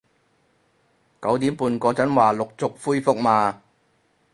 九點半嗰陣話陸續恢復嘛